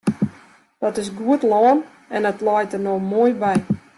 Dat is goed lân en dat leit der no moai by.